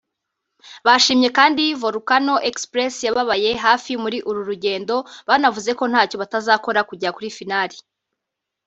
Bashimye kandi Volcano Express yababaye hafi muri uru rugendo banavuze ko ntacyo batakoze kugera kuri Final